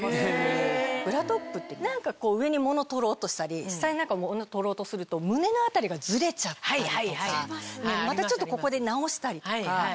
ブラトップって何か上に物を取ろうとしたり下に物を取ろうとすると胸の辺りがずれちゃったりとかまたちょっとここで直したりとか。